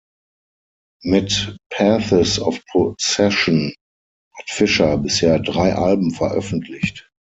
Mit Paths of Possession hat Fisher bisher drei Alben veröffentlicht.